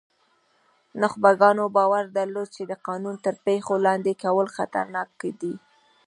نخبګانو باور درلود چې د قانون تر پښو لاندې کول خطرناک دي.